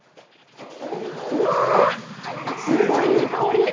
うわー、すごいいい香り。